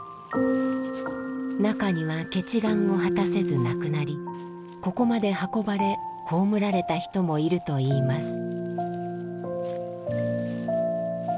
中には結願を果たせず亡くなりここまで運ばれ葬られた人もいるといいます。